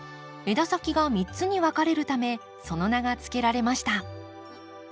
枝先が３つに分かれるためその名が付けられました。